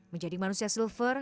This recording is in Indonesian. menjadi manusia silver